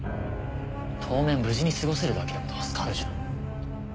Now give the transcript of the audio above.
当面無事に過ごせるだけでも助かるじゃん。